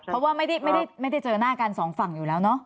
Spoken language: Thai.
เพราะว่าไม่ได้เจอหน้ากันสองฝั่งอยู่แล้วเนาะ